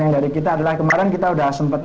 yang dari kita adalah kemarin kita udah sempet